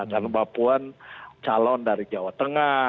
dan mbak puan calon dari jawa tengah